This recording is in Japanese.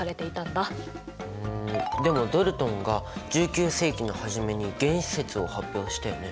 んでもドルトンが１９世紀の初めに「原子説」を発表したよね。